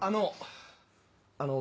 あの！